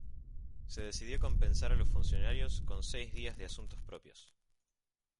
Se decidió compensar a los funcionarios con seis días de asuntos propios.